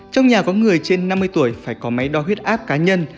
trong nhà có người trên năm mươi tuổi phải có máy đo huyết áp cá nhân